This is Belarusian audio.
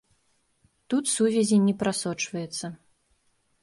Тут сувязі не прасочваецца.